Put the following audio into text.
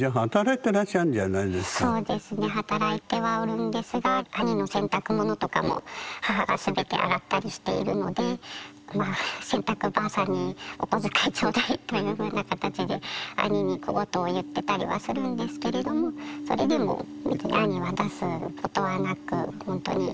そうですね働いてはおるんですが兄の洗濯物とかも母が全て洗ったりしているので「洗濯ばあさんにお小遣いちょうだい」というふうな形で兄に小言を言ってたりはするんですけれどもそれでもお母さんは丈夫ですか？